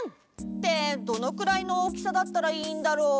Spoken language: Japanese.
ってどのくらいの大きさだったらいいんだろう？